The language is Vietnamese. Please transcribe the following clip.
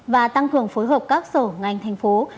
và tăng cường phối hợp các sở ngành thành phố